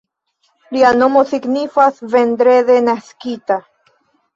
Lia nomo signifas "vendrede naskita.